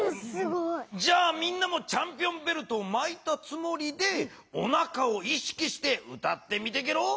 じゃあみんなもチャンピオンベルトをまいたつもりでおなかを意識して歌ってみてゲロ。